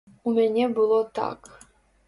У мяне было так.